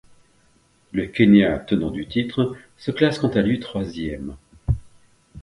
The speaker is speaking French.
Le Kenya, tenant du titre, se classe quant à lui troisième.